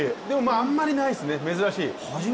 でもあんまりないですね、珍しい。